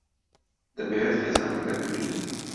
دەمەوێت خێزانەکەم ببینیت.